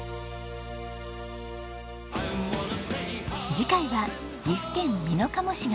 次回は岐阜県美濃加茂市が舞台。